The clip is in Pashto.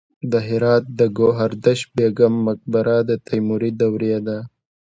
د هرات د ګوهردش بیګم مقبره د تیموري دورې ده